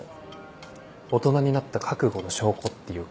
大人になった覚悟の証拠っていうか。